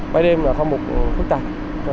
bay đêm là phong mục phức tạp